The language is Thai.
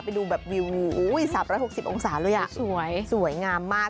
ไปดูแบบวิว๓๖๐องศาเลยอ่ะสวยงามมาก